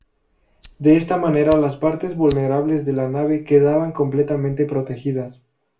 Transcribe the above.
De esta manera las partes vulnerables de la nave quedaban completamente protegidas.